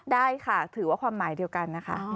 ได้ค่ะถือว่าความหมายเดียวกันนะคะ